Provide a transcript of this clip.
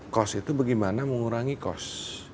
cost itu bagaimana mengurangi cost